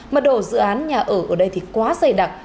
mật độ dự án nhà ở ở đây thì quá dày đặc